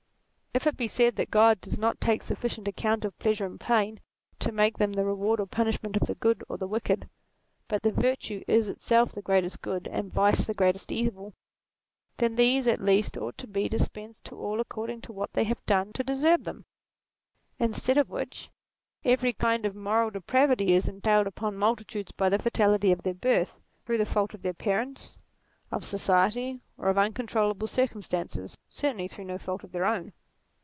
If it be said that Grod does not take sufficient account of pleasure and pain to make them the reward or punishment of the good or the wicked, but that virtue is itself the greatest good and vice the greatest evil, then these at least ought to be dis pensed to all according to what they have done to deserve them ; instead of which, every kind of moral depravity is entailed upon multitudes by the fatality of their birth ; through the fault of their parents, of society, or of uncontrollable circumstances, certainly through no fault of their own.